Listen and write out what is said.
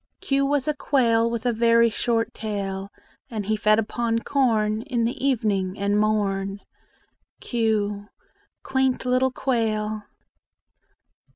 Q was a quail With a very short tail; And he fed upon corn In the evening and morn. q Quaint little quail!